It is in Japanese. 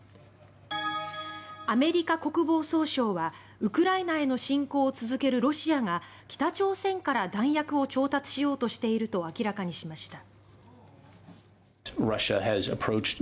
アメリカ国防総省はウクライナへの侵攻を続けるロシアが北朝鮮から弾薬を調達しようとしていると明らかにしました。